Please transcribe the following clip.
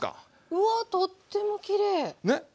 うわっとってもきれい！